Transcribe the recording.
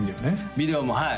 ビデオもはい